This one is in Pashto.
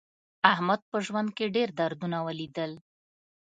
احمد په ژوند کې ډېر دردونه ولیدل.